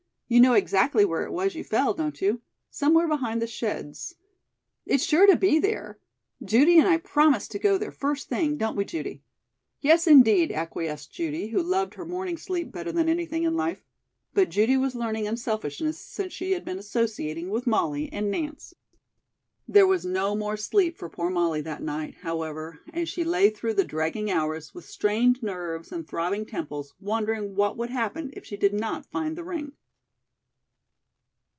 "You know exactly where it was you fell, don't you? Somewhere behind the sheds. It's sure to be there. Judy and I promise to go there first thing, don't we, Judy?" "Yes, indeed," acquiesced Judy, who loved her morning sleep better than anything in life. But Judy was learning unselfishness since she had been associating with Molly and Nance. There was no more sleep for poor Molly that night, however, and she lay through the dragging hours with strained nerves and throbbing temples wondering what would happen if she did not find the ring.